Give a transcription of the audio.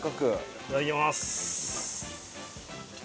いただきます。